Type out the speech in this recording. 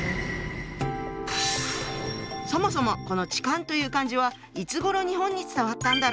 そもそもこの「痴漢」という漢字はいつごろ日本に伝わったんだろう。